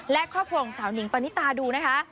และครอบครัวของสาวหนิงปณิตาดูนะคะ